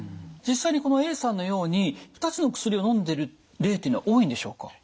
実際にこのＡさんのように２つの薬をのんでる例っていうのは多いんでしょうか？